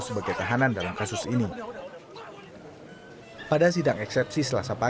sementara dengan pihak yang menjelaskan kemampuan